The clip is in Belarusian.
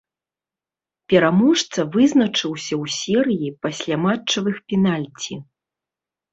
Пераможца вызначыўся ў серыі пасляматчавых пенальці.